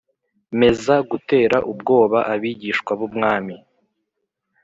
meza gutera ubwoba abigishwa b Umwami